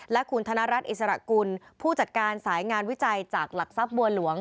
และคุณธนรัฐอิสระกุลผู้จัดการสายงานวิจัยจากหลักทรัพย์บัวหลวง